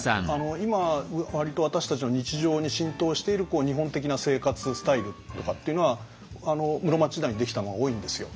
今割と私たちの日常に浸透している日本的な生活スタイルとかっていうのは室町時代にできたものが多いんですよ。